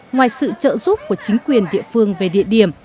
ngoài sự trợ giúp của chính quyền địa phương về địa điểm